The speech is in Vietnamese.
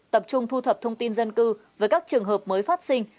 tập trung thu thập thông tin dân cư với các trường hợp mới phát sinh